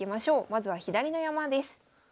まずは左の山です。